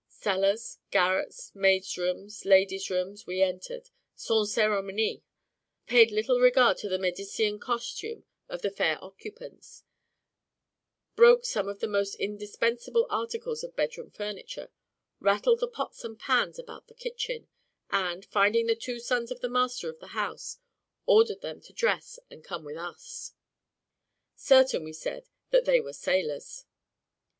Cellars, garrets, maids' room, ladies' rooms, we entered, sans ceremonie; paid little regard to the Medicean costume of the fair occupants; broke some of the most indispensable articles of bedroom furniture; rattled the pots and pans about in the kitchen; and, finding the two sons of the master of the house, ordered them to dress and come with us, certain, we said, that they were sailors.